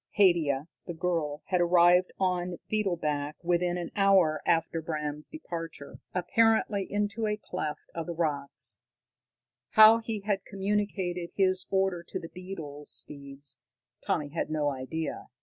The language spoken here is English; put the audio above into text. Haidia, the girl, had arrived on beetle back within an hour after Bram's departure, apparently into a cleft of the rocks how he had communicated his order to the beetle steeds Tommy had no idea.